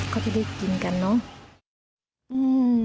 เขาจะได้กินกันเนอะ